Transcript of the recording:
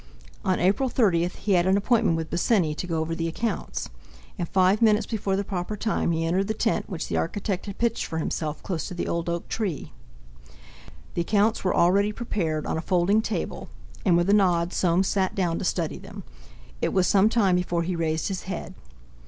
On April 30 he had an appointment with Bosinney to go over the accounts, and five minutes before the proper time he entered the tent which the architect had pitched for himself close to the old oak tree. The accounts were already prepared on a folding table, and with a nod Soames sat down to study them. It was some time before he raised his head.